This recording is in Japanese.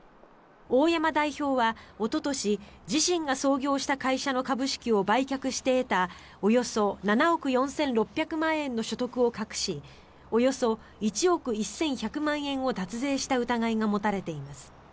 大山代表はおととし自身が創業した会社の株式を売却して得たおよそ７億４６００万円の所得を隠しおよそ１億１１００万円を脱税した疑いが持たれています。